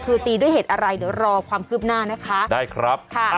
คือตีด้วยเหตุอะไรเดี๋ยวรอความคืบหน้านะคะได้ครับค่ะ